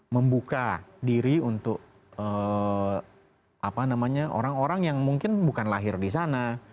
membuka diri untuk orang orang yang mungkin bukan lahir di sana